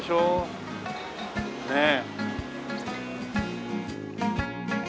ねえ。